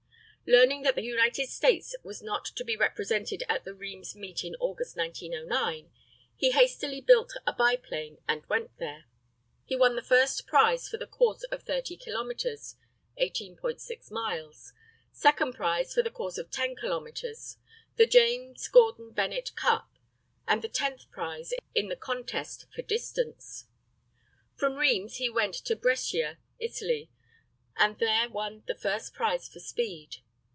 Learning that the United States was not to be represented at the Rheims meet in August, 1909, he hastily built a biplane and went there. He won the first prize for the course of 30 kilometres (18.6 miles), second prize for the course of 10 kilometres, the James Gordon Bennett cup, and the tenth prize in the contest for distance. From Rheims he went to Brescia, Italy, and there won the first prize for speed.